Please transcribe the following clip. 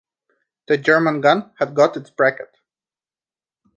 The German gun had got its bracket.